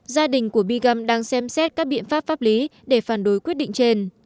gia đình của biegum đang xem xét các biện pháp pháp lý để phản đối quyết định trên